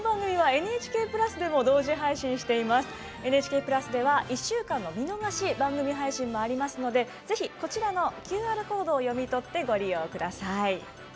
ＮＨＫプラスでは１週間の見逃し番組配信もありますのでぜひＱＲコードを読み取ってご利用ください。